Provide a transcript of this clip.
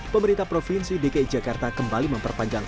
pemerintah provinsi dki jakarta kembali memperpanjang